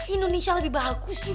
indonesia lebih bagus